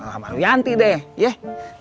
ngelamar wianti deh